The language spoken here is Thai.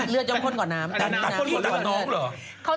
เลือดยอมข้นกว่าน้ำ